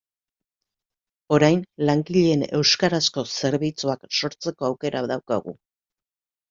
Orain langileen euskarazko zerbitzuak sortzeko aukera daukagu.